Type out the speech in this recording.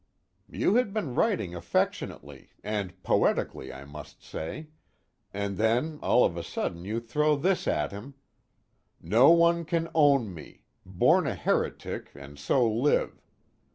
"You had been writing affectionately and poetically, I must say and then all of a sudden you throw this at him: 'No one can own me born a heretic and so live.'